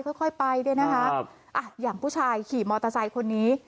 ค่อยค่อยไปด้วยนะคะครับอ่ะอย่างผู้ชายขี่มอเตอร์ไซค์คนนี้